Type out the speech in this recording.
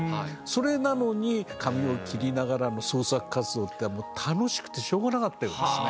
それなのに紙を切りながらの創作活動ってもう楽しくてしょうがなかったようですね。